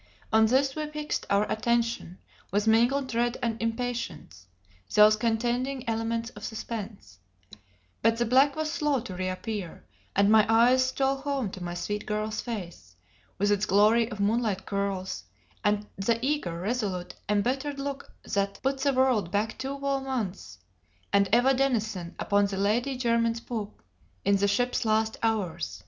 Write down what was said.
On this we fixed our attention with mingled dread and impatience, those contending elements of suspense; but the black was slow to reappear; and my eyes stole home to my sweet girl's face, with its glory of moonlit curls, and the eager, resolute, embittered look that put the world back two whole months, and Eva Denison upon the Lady Jermyn's poop, in the ship's last hours.